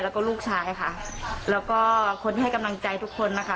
แล้วก็ลูกชายค่ะแล้วก็คนที่ให้กำลังใจทุกคนนะคะ